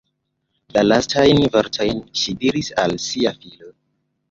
La lastajn vortojn ŝi diris al sia filo.